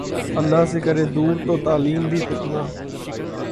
اللہ سے کرے دور ، تو تعلیم بھی فتنہ